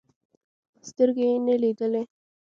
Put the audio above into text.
سترګې يې نه لیدلې.